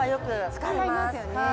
使いますよね。